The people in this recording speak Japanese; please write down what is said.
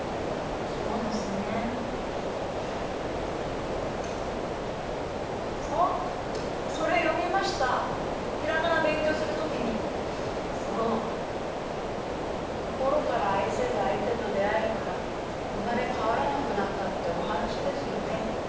そうですねあっそれ読みましたひらがな勉強する時にそう心から愛せる相手と出会えたら生まれ変わらなくなったってお話ですよね